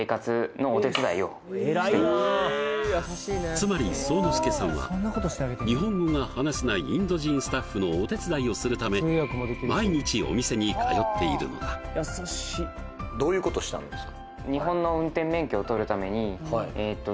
つまり壮之介さんは日本語が話せないインド人スタッフのお手伝いをするため毎日お店に通っているのだそうですね